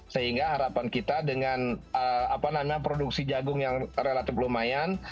sehingga harapan kita dengan produksi jagung yang relatif lumayan